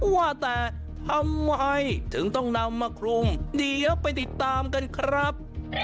ว่าแต่ทำไมถึงต้องนำมาคลุมเดี๋ยวไปติดตามกันครับ